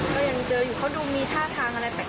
ก็ยังเจออยู่เขาดูมีท่าทางอะไรแปลก